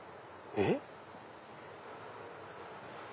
えっ？